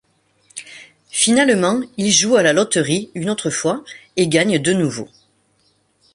Finalement ils jouent à la loterie une autre fois et gagnent de nouveau.